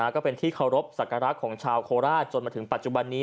ก็เป็นที่เคารพสักการะของชาวโคราชจนมาถึงปัจจุบันนี้